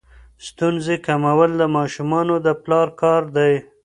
ستونزې کمول د ماشومانو د پلار کار دی.